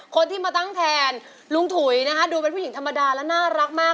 คนที่มาตั้งแทนลุงถุยนะคะดูเป็นผู้หญิงธรรมดาและน่ารักมาก